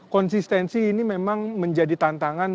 konsistensi ini memang menjadi tantangan